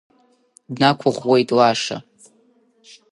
Днақәыӷәӷәеит Лаша.